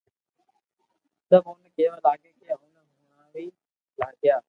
سب اوني ڪيوا لاگيا ڪي اوني ھڻاوي لاگيا